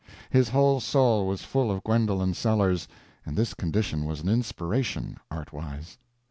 His whole soul was full of Gwendolen Sellers, and this condition was an inspiration, art wise.